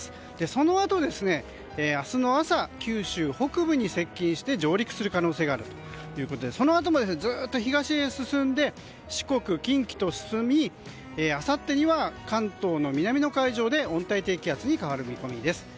そのあと、明日の朝九州北部に接近して上陸する可能性があるということでそのあともずっと東へ進んで四国、近畿と進みあさってには関東の南の海上で温帯低気圧に変わる見込みです。